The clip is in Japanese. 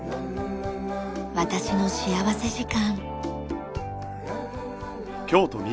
『私の幸福時間』。